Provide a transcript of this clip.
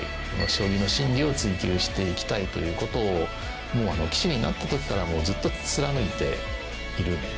将棋の真理を追求していきたいという事を棋士になった時からもうずっと貫いているんですね。